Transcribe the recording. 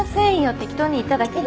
適当に言っただけです。